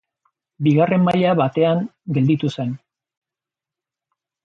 Bigarren maila batean gelditu zen.